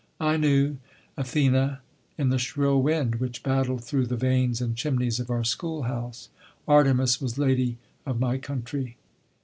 I knew Athené in the shrill wind which battled through the vanes and chimneys of our schoolhouse. Artemis was Lady of my country.